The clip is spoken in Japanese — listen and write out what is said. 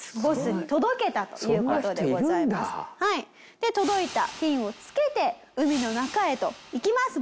で届いたフィンをつけて海の中へと行きますボスが。